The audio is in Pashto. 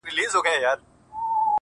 • جانه ته ځې يوه پردي وطن ته،